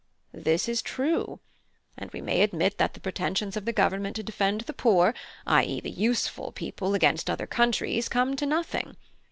(H.) This is true; and we may admit that the pretensions of the government to defend the poor (i.e., the useful) people against other countries come to nothing.